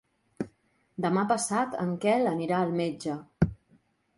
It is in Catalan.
Demà passat en Quel anirà al metge.